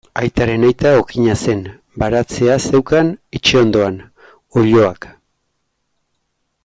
Aitaren aita okina zen, baratzea zeukan etxe ondoan, oiloak.